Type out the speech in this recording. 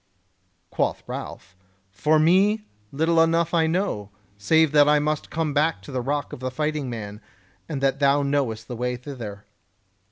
Quoth Ralph: "For me, little enough I know, save that I must come to the Rock of the Fighting Man, and that thou knowest the way thither."